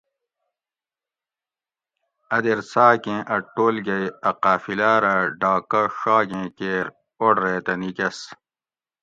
اَ دیر څاۤکیں اَ ٹولگیٔ اَ قافلاۤ رہ ڈاکہۤ ڛا گیں کیر اوڑ ریتہ نیکۤس